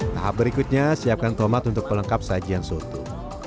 tahap berikutnya siapkan tomat untuk pelengkap sajian soto